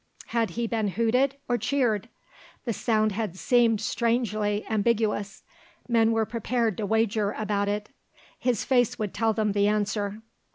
Had he been hooted or cheered? The sound had seemed strangely ambiguous; men were prepared to wager about it; his face would tell them the answer.